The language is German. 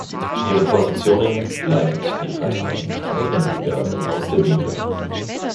Ihre Positionen leitet die Partei nach eigenen Angaben aus der Bibel ab.